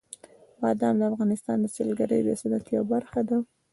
بادام د افغانستان د سیلګرۍ د صنعت یوه برخه ده.